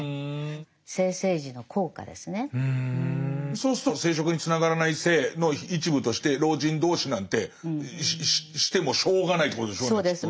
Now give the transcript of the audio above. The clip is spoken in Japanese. そうすると生殖につながらない性の一部として老人同士なんてしてもしょうがないってことでしょうねきっとね。